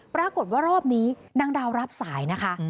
ปรากฏว่ารอบนี้นางดาวรับสายนะคะ